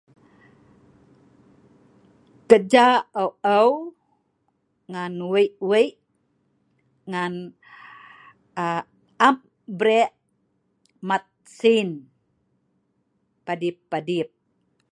Kerja aeu-aeu, ngan wei-wei ngan am brae' man sin padip-padip